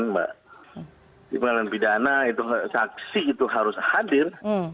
karena di pengadilan pidana saksi itu harus hadir